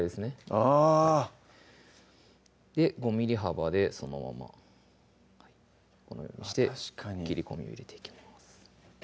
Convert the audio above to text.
あ５ｍｍ幅でそのままこのようにして切り込みを入れていきます